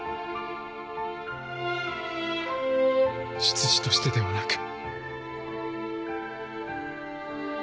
執事としてではなく。